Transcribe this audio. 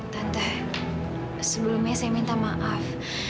tante sebelumnya saya minta maaf